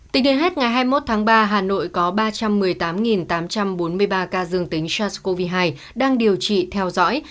tính đến hết ngày hai mươi một tháng ba hà nội có ba trăm một mươi tám tám trăm bốn mươi ba ca dương tính sars cov hai đang điều trị theo dõi